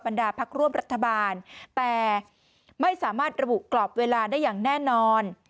ดาพักร่วมรัฐบาลแต่ไม่สามารถระบุกรอบเวลาได้อย่างแน่นอน